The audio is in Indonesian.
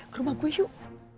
ke rumah gue yuk